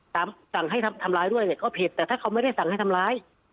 สั่งให้ทำร้ายด้วยเนี่ยก็ผิดแต่ถ้าเขาไม่ได้สั่งให้ทำร้าย